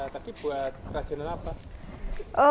tapi buat kerajinan apa